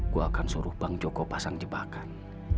gue akan suruh bang joko pasang jebakan